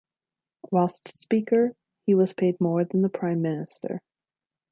Whilst Speaker he was paid more than the Prime Minister.